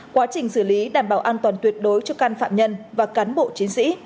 quá trình xử lý đảm bảo an toàn tuyệt đối cho căn phạm nhân và cán bộ chiến sĩ